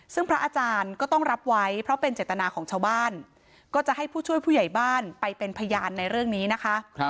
ซึ่งพระอาจารย์ก็ต้องรับไว้เพราะเป็นเจตนาของชาวบ้านก็จะให้ผู้ช่วยผู้ใหญ่บ้านไปเป็นพยานในเรื่องนี้นะคะ